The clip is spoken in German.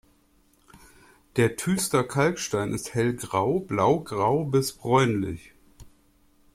Der Thüster Kalkstein ist hellgrau, blaugrau bis bräunlich.